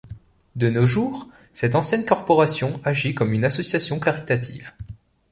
De nos jours, cette ancienne corporation agit comme une association caritative.